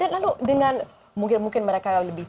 lalu dengan mungkin mungkin mereka yang lebih